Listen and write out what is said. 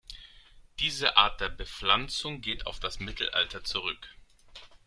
Diese Art der Bepflanzung geht auf das Mittelalter zurück.